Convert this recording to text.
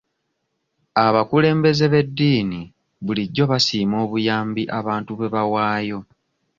Abakulembeze b'eddiini bulijjo basiima obuyambi abantu bwe bawaayo.